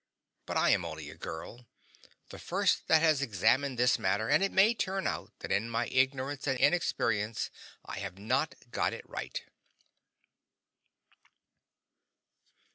But I am only a girl, the first that has examined this matter, and it may turn out that in my ignorance and inexperience I have not got it right.